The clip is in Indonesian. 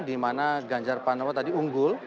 di mana ganjar pranowo tadi unggul